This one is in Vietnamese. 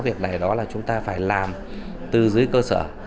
việc này đó là chúng ta phải làm từ dưới cơ sở